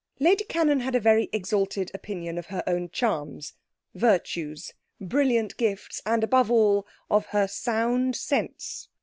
Lady Cannon had a very exalted opinion of her own charms, virtues, brilliant gifts, and, above all, of her sound sense.